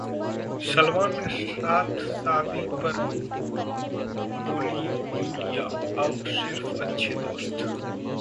सलमान ने साथ शादी पर बोलीं यूलिया, 'हम सिर्फ अच्छे दोस्त'